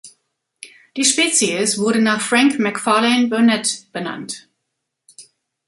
Die Spezies wurde nach Frank Macfarlane Burnet benannt.